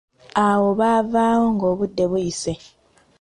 Awo baavaawo nga obudde buyise.